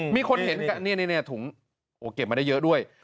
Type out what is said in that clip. มีคนเห็นถุงเก็บมาได้เยอะด้วย